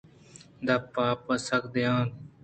دپ آپ ءَ سکّ داتنت